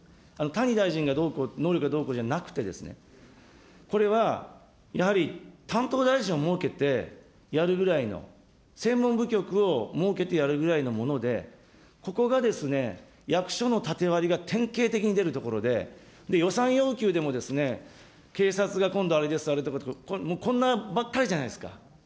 谷大臣がどうこう、能力がどうこうじゃなくてですね、これはやはり担当大臣を設けてやるぐらいの、専門部局を設けてやるぐらいのもので、ここがですね、役所の縦割りが典型的に出るところで、予算要求でも警察が今度あれです、もうこんなんばっかりじゃないですか。